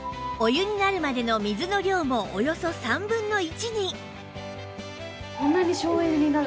お湯になるまでの水の量もおよそ３分の１に